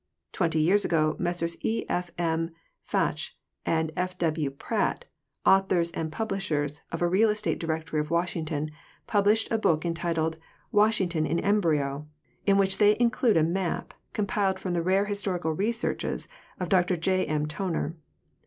Twenty years ago Messrs E. F. M. Faehtz and F. W. Pratt, authors and publishers of a real estate directory of Washington, published a book en a "Washington in Embryo," in an they include a m: ay "compiled from the rare historical researches of Dr J. M. T oner.